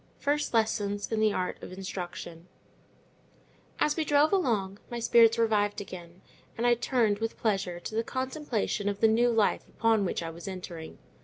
FIRST LESSONS IN THE ART OF INSTRUCTION As we drove along, my spirits revived again, and I turned, with pleasure, to the contemplation of the new life upon which I was entering.